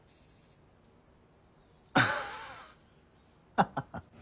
あハハハハ。